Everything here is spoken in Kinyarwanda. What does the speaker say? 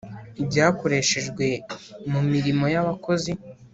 Ibyakoreshejwe mu mirimo yabakozi